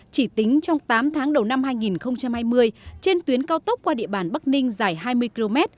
chỉ tính trong tám tháng đầu năm hai nghìn hai mươi trên tuyến cao tốc qua địa bàn bắc ninh dài hai mươi km